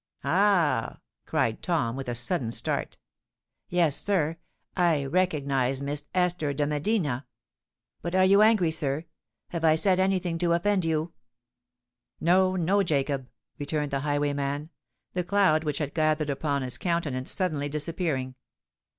"Ah!" cried Tom, with a sudden start. "Yes, sir,—I recognised Miss Esther de Medina——But are you angry, sir? have I said anything to offend you?" "No—no, Jacob," returned the highwayman, the cloud which had gathered upon his countenance suddenly disappearing.